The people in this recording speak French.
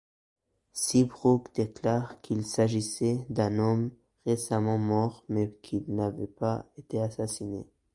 Seabrook déclare qu’il s’agissait d’un homme récemment mort mais qu'il n'avait pas été assassiné.